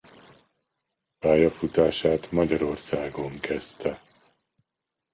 Pályafutását Magyarországon kezdte.